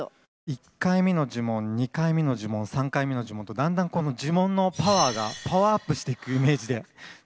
１回目の呪文２回目の呪文３回目の呪文とだんだんこの呪文のパワーがパワーアップしていくイメージで作ったので。